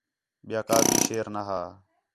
ٻِیا کا بھی شیر نا ہا